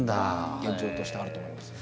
現状としてあると思います。